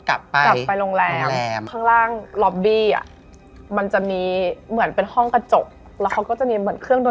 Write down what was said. ครับไปอาบอะไรเสร็จปุ๊บ